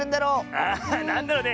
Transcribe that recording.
⁉あっなんだろうね。